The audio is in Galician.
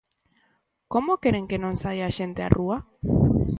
¿Como queren que non saia a xente á rúa?